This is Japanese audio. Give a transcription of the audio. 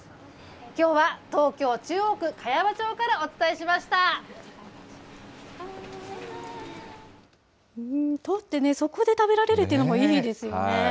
きょうは東京・中央区茅場町から取ってそこで食べられるっていうのもいいですよね。